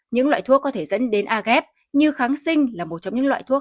những loại thuốc có thể dẫn đến ah như kháng sinh là một trong những loại thuốc